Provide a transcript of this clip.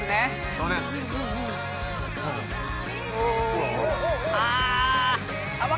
そうです。ああ！